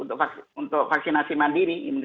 untuk vaksinasi mandiri